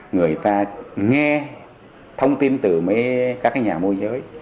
người ta nghe thông tin từ các nhà môi giới